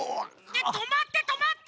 いやとまってとまって！